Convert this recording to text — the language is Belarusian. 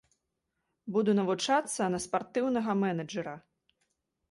Буду навучацца на спартыўнага менеджэра.